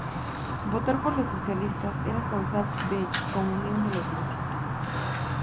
Votar por los socialistas era causal de excomunión de la Iglesia.